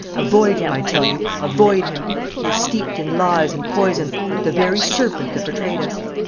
Avoid him, I tell you, avoid him: he is steeped in lies and poison, like the very serpent that betrayed us.